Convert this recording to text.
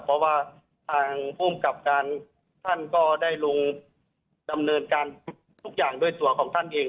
เพราะว่าทางภูมิกับการท่านก็ได้ลงดำเนินการทุกอย่างด้วยตัวของท่านเอง